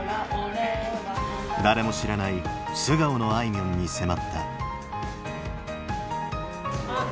誰も知らない素顔のあいみょんに迫った。